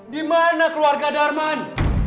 di mana keluarga darman